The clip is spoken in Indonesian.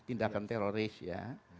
tindakan teroris ya